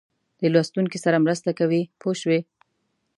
د لوستونکي سره مرسته کوي پوه شوې!.